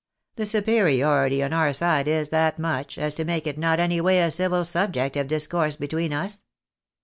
The superiority on our side is that much, as to make it not any way a civil subject of discourse between us."